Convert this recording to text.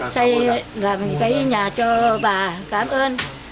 xây làm cái nhà cho bà cảm ơn